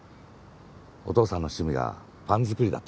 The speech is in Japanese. お父さんの趣味がパン作りだった事。